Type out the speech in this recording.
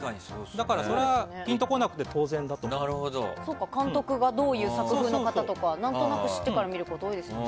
それはピンと来なくて監督がどういう作風の方とかなんとなく知ってから見ることが多いですよね。